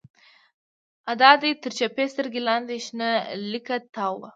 د ادې تر چپې سترگې لاندې شنه ليکه تاوه وه.